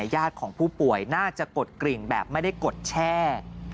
ญาติของผู้ป่วยน่าจะกดกริ่งแบบไม่ได้กดแช่